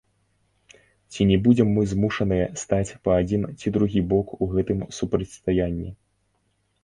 Ці не будзем мы змушаныя стаць па адзін ці другі бок у гэтым супрацьстаянні?